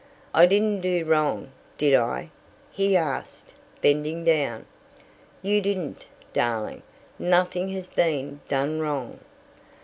"I didn't do wrong, did I?" he asked, bending down. "You didn't, darling. Nothing has been done wrong."